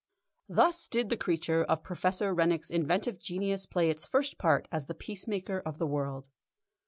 Thus did the creature of Professor Rennick's inventive genius play its first part as the peacemaker of the world.